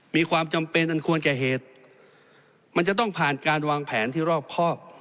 มีความจำเป็นอันควรแก่เหตุมันจะต้องผ่านการวางแผนที่รอบครอบ